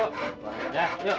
pak perahu dulu pak